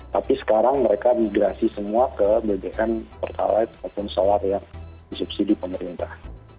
tapi sekarang mereka migrasi semua ke bbm pertalite ataupun solar yang disubsidi pemerintah